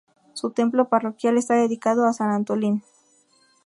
Su templo parroquial está dedicado a San Antolín.